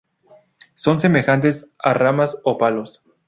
Son semejantes a ramas o palos.